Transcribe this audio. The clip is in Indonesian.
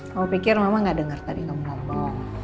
kamu pikir mama enggak dengar tadi kamu ngomong